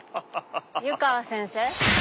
「湯川先生？」